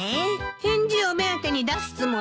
返事を目当てに出すつもり？